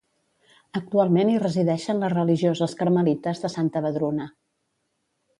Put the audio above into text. Actualment hi resideixen les religioses Carmelites de Santa Vedruna.